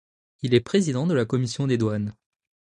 Il est président de la commission des douanes.